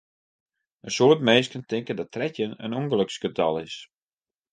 In soad minsken tinke dat trettjin in ûngeloksgetal is.